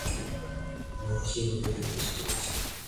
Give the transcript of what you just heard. মক্ষী বললে, বেশ করেছেন।